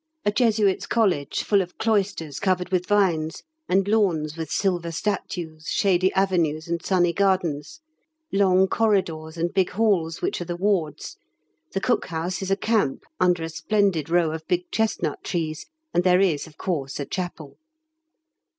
A Jesuits' College, full of cloisters covered with vines, and lawns with silver statues, shady avenues and sunny gardens, long corridors and big halls which are the wards; the cook house is a camp under a splendid row of big chestnut trees, and there is of course a chapel.